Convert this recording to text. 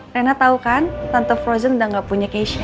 reina tahu kan tante frozen udah gak punya keisha